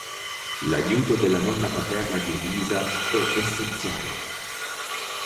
L'aiuto della nonna paterna di Elisa è essenziale.